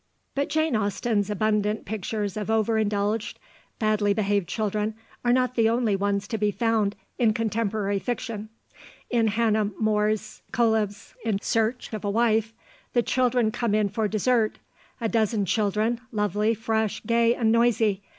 But Jane Austen's abundant pictures of over indulged, badly behaved children are not the only ones to be found in contemporary fiction; in Hannah More's Cœlebs in Search of a Wife the children come in for dessert, "a dozen children, lovely, fresh, gay, and noisy